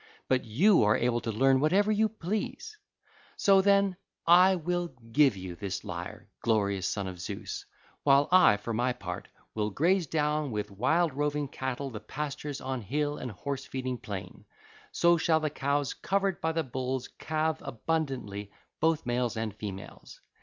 But you are able to learn whatever you please. So then, I will give you this lyre, glorious son of Zeus, while I for my part will graze down with wild roving cattle the pastures on hill and horse feeding plain: so shall the cows covered by the bulls calve abundantly both males and females.